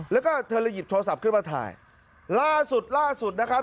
แล้วก็เธอเลยหยิบโทรศัพท์ขึ้นมาถ่ายล่าสุดล่าสุดนะครับ